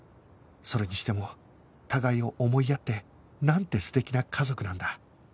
それにしても互いを思いやってなんて素敵な家族なんだ